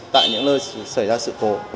tại những nơi xảy ra sự khổ